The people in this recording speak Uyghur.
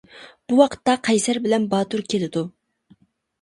بۇ ۋاقىتتا قەيسەر بىلەن باتۇر كېلىدۇ.